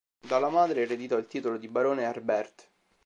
Dalla madre, ereditò il titolo di barone Herbert.